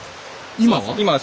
今は？